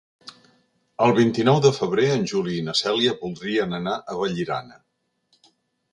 El vint-i-nou de febrer en Juli i na Cèlia voldrien anar a Vallirana.